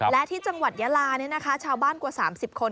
และที่จังหวัดยาลาชาวบ้านกว่า๓๐คน